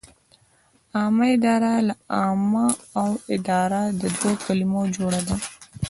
عامه اداره له عامه او اداره دوو کلمو جوړه ده.